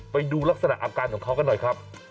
ไปดูลักษณะอาการของเขากันหน่อยครับ